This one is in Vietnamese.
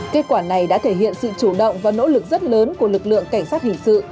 kết quả này đã thể hiện sự chủ động và nỗ lực rất lớn của lực lượng cảnh sát hình sự